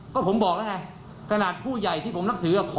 ก็ผมบอกล่ะไงกระนาดผู้ใหญ่ที่ผมนักถืออะขอ